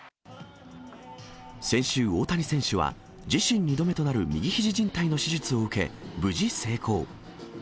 先週、大谷選手は、自身２度目となる右ひじじん帯の手術を受け、無事成功。